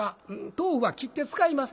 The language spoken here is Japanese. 豆腐は切って使います。